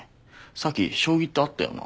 咲将棋ってあったよな？